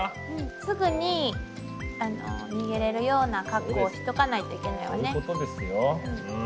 すぐに逃げれるような格好をしとかないといけないわね。